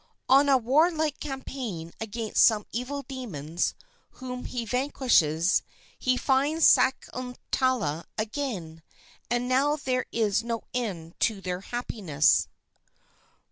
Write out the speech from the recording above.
"On a warlike campaign against some evil demons, whom he vanquishes, he finds Sakuntala again, and now there is no end to their happiness."